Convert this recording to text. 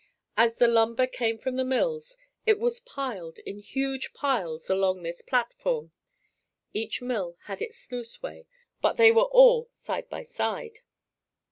As the lumber came from the mills it was piled in huge piles along this platform. Each mill had its sluiceway but they were all side by side.